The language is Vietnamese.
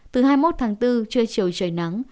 từ hai mươi một tháng bốn trưa chiều trời nắng